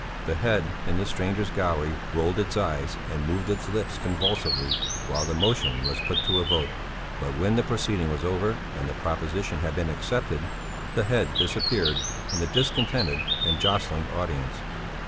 The head in the strangers' gallery rolled its eyes and moved its lips convulsively while the motion was put to the vote; but when the proceeding was over and the proposition had been accepted, the head disappeared in the discontented and jostling audience.